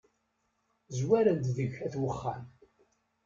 Zwaren-d deg-k at uxxam.